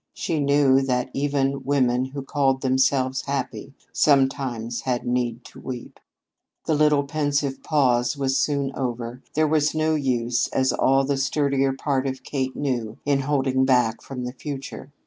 She knew that even women who called themselves happy sometimes had need to weep. The little pensive pause was soon over. There was no use, as all the sturdier part of Kate knew, in holding back from the future.